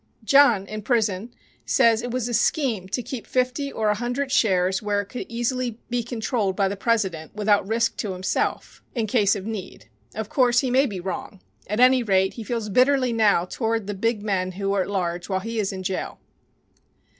John, in prison, says it was a scheme to keep fifty or a hundred shares where it could easily be controlled by the president, without risk to himself, in case of need. Of course, he may be wrong. At any rate, he feels bitterly now toward the big men who are at large while he is in jail.